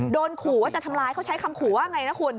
โดนขู่ว่าจะทำร้ายเขาใช้คำขู่ว่าไงนะคุณ